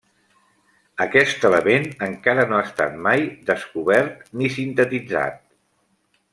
Aquest element encara no ha estat mai descobert ni sintetitzat.